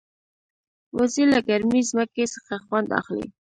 وزې له ګرمې ځمکې څخه خوند اخلي